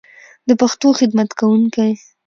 د پښتو خدمت کوونکی